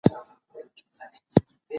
د لاسکي په وينا سياست د ګټلو لوبه ده.